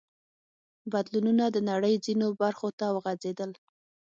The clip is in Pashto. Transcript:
بدلونونه د نړۍ ځینو برخو ته وغځېدل.